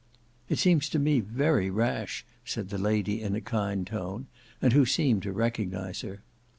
"It seems to me very rash," said the lady in a kind tone, and who seemed to recognise her.